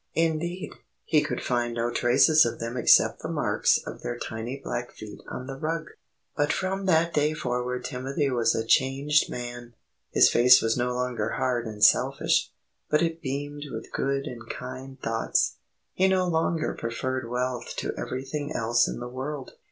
Indeed, he could find no traces of them except the marks of their tiny black feet on the rug. But from that day forward Timothy was a changed man. His face was no longer hard and selfish, but it beamed with good and kind thoughts. He no longer preferred wealth to everything else in the world.